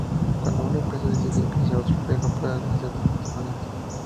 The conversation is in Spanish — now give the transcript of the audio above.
Cuando una empresa decide ingresar a otro país lo puede hacer de diferentes maneras.